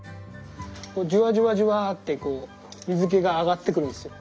ジュワジュワジュワってこう水けが上がってくるんですよ。